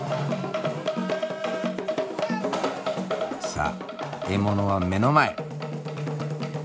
さあ獲物は目の前。